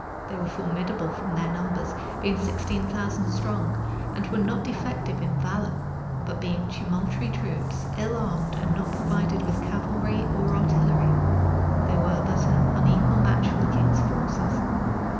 They were formidable from their numbers, being sixteen thousand strong, and were not defective in valor; but being tumultuary troops, ill armed, and not provided with cavalry or artillery, they were but an unequal match for the king's forces.